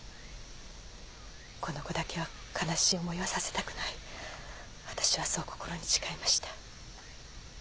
この子だけは悲しい思いをさせたくない私はそう心に誓いました。